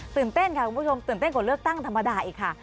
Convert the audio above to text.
ตื่นเต้นกว่าเลือกตั้งธรรมดาอีกค่ะ